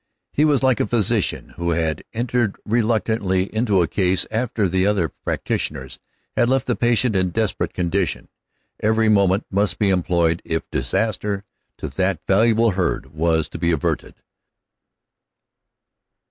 He was like a physician who had entered reluctantly into a case after other practitioners had left the patient in desperate condition. Every moment must be employed if disaster to that valuable herd was to be averted.